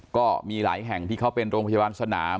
ก็มีหลายแห่งที่เขาเป็นโรงพยาบาลสนาม